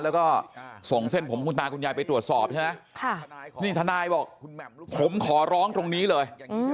แล้วก็ส่งเส้นผมคุณตาคุณยายไปตรวจสอบใช่ไหมนี่ทนายบอกผมขอร้องตรงนี้เลย